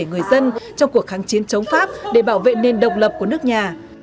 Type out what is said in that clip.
người dân trong cuộc kháng chiến chống pháp để bảo vệ nền độc lập của nước nhà